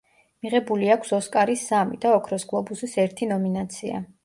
მიღებული აქვს ოსკარის სამი და ოქროს გლობუსის ერთი ნომინაცია.